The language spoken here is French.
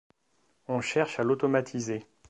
On cherche à l’automatiser.